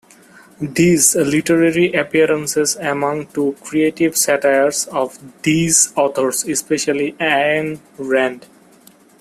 These literary appearances amount to creative satires of these authors, especially Ayn Rand.